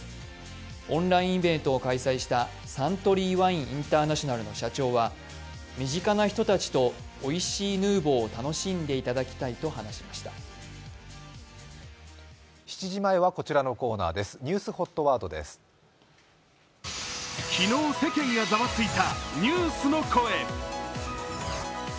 オンラインイベントを開催したサントリーインターナショナルの社長は身近な人たちとおいしいヌーボーを楽しんでいただきたいと話しました。